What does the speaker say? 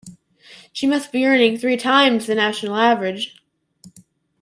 She must be earning three times the national average.